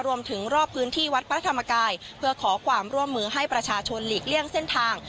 รวมถึงรอบพื้นที่วัดพระธรรมกายเพื่อขอความร่วมมือให้ประชาชนหลีกเลี่ยงเส้นทาง